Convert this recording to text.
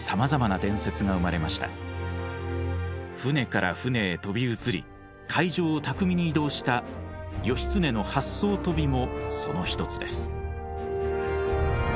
舟から舟へ飛び移り海上を巧みに移動した義経の八艘飛びもその一つです。